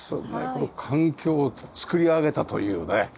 この環境を作り上げたというね。